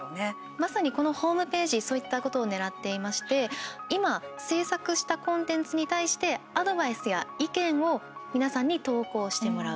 まさにこのホームページそういったことをねらっていまして今、制作したコンテンツに対してアドバイスや意見を皆さんに投稿してもらう。